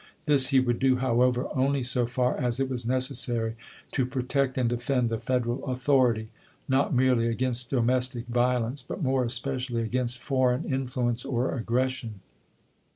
This he would do, however, only so far as it was necessary to protect and defend the Fed eral authority, not merely against domestic vio lence, but more especially against foreign influence or aggression.